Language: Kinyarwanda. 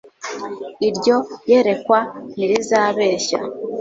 iryo yerekwa ntirizabeshya